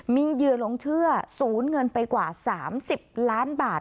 มีเหยื่อหลงเชื่อศูนย์เงินไปกว่า๓๐ล้านบาท